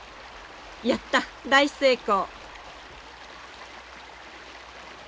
やった大成功。